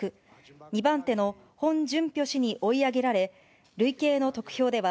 ２番手のホン・ジュンピョ氏に追い上げられ、累計の得票では、